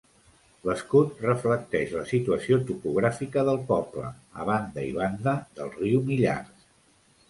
L'escut reflecteix la situació topogràfica del poble, a banda i banda del riu Millars.